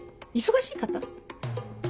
忙しい方？